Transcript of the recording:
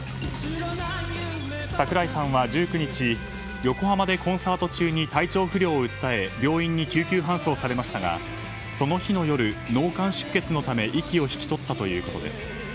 櫻井さんは１９日横浜でコンサート中に体調不良を訴え病院に緊急搬送されましたがその日の夜、脳幹出血のため息を引き取ったということです。